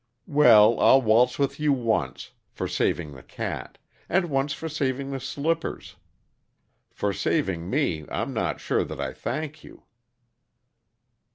"Well, I'll waltz with you once for saving the cat; and once for saving the slippers. For saving me, I'm not sure that I thank you."